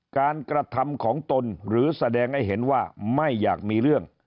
กระทำของตนหรือแสดงให้เห็นว่าไม่อยากมีเรื่อง